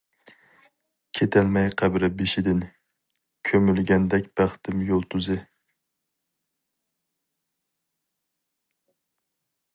كېتەلمەي قەبرە بېشىدىن، كۆمۈلگەندەك بەختىم يۇلتۇزى.